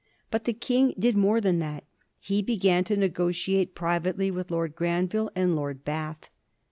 But the King did more thai) that: he began to negotiate privately with Lord Granville and Lord Bath.